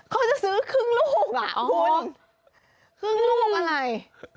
เขาจะซื้อครึ่งลูกอ่ะคุณครึ่งลูกอะไร